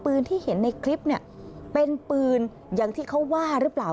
ที่เห็นในคลิปเนี่ยเป็นปืนอย่างที่เขาว่าหรือเปล่า